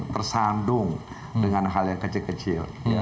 tersandung dengan hal yang kecil kecil